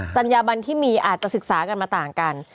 จัญญาบันที่มีอาจจะศึกษากันมาต่างกัน